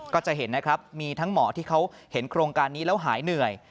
ก็จะเห็นนะครับมีทั้งหมอที่เขาเห็นโครงการนี้แล้วหายเหนื่อย